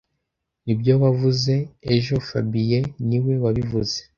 Nibyo wavuze ejo fabien niwe wabivuze